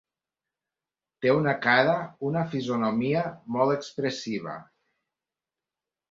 Té una cara, una fisonomia, molt expressiva.